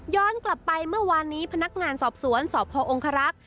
ย้อนกลับไปเมื่อวานนี้พนักงานสอบสวนสอบพระโรงครรักษ์